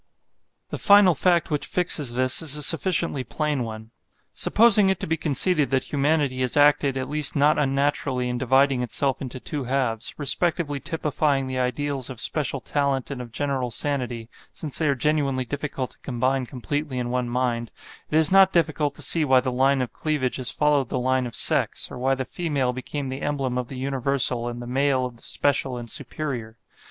The final fact which fixes this is a sufficiently plain one. Supposing it to be conceded that humanity has acted at least not unnaturally in dividing itself into two halves, respectively typifying the ideals of special talent and of general sanity (since they are genuinely difficult to combine completely in one mind), it is not difficult to see why the line of cleavage has followed the line of sex, or why the female became the emblem of the universal and the male of the special and superior.